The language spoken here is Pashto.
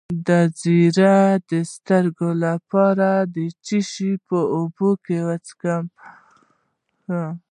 د زیړي د سترګو لپاره د څه شي اوبه وڅښم؟